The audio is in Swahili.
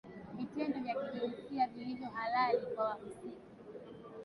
Vitendo vya kijinsia vilivyo halali kwa wahusika